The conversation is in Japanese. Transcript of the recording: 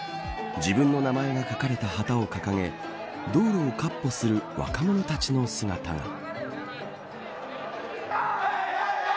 自分の名前が書かれた旗を掲げ道路を闊歩する若者たちの姿が。